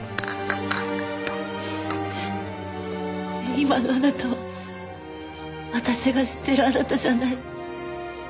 今のあなたは私が知ってるあなたじゃない。